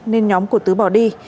nên nhóm của tứ bỏ đi